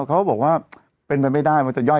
เขาบอกว่าเป็นไปไม่ได้มันจะย่อย